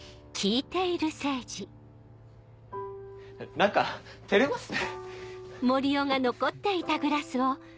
何か照れますね。